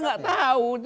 negara gak tahu